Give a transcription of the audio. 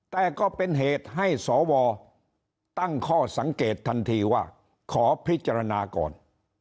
แต่ก็เป็นเหตุให้สวตั้งข้อสังเกตทันทีว่าขอพิจารณาก่อน